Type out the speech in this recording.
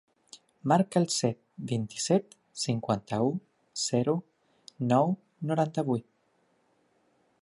Marca el set, vint-i-set, cinquanta-u, zero, nou, noranta-vuit.